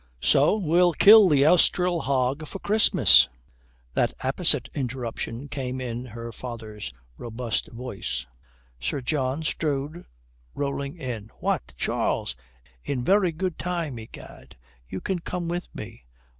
"So we'll kill the Elstree hog for Christmas;" that apposite interruption came in her father's robust voice. Sir John strode rolling in. "What, Charles! In very good time, egad. You can come with me."